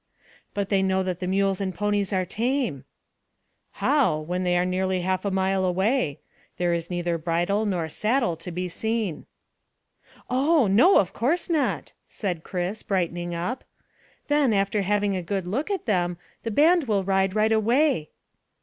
"But they know that the mules and ponies are tame." "How, when they are nearly half a mile away? There is neither bridle nor saddle to be seen." "Oh no, of course not," said Chris, brightening up. "Then, after having a good look at them, the band will ride right away."